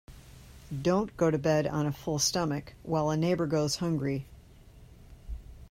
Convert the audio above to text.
Don't go to bed on a full stomach while a neighbour goes hungry.